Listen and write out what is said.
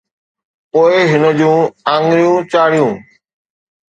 پوءِ هن جون آڱريون چاڙهيون